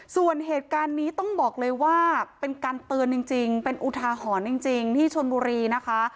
ส่วนเหตุการณ์นี้ต้องบอกเลยว่าเป็นการเตือนจริงเป็นอุทาหรณ์จริงที่ชนบุรีนะคะ